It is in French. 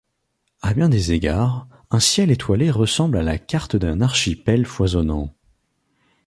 À bien des égards, un ciel étoilé ressemble à la carte d'un archipel foisonnant.